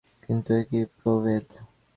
কিন্তু এ কী প্রভেদ!